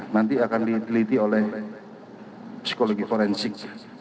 nanti akan diteliti oleh psikologi forensik